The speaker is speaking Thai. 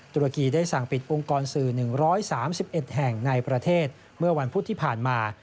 ตุรกีได้สั่งปิดองค์กรสื่อ๑๓๑แห่งในประเทศเมื่อวันพุธที่ผ่านมา